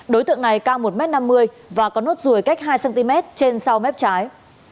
đối tượng này cao một m năm mươi và có nốt ruồi cách hai cm trên sau mép trái